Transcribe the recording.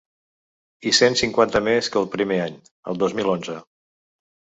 I cent cinquanta més que el primer any, el dos mil onze.